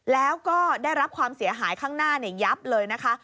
แล้วก็ได้รับความเสียหายข้างหน้ายับเลยนะคะ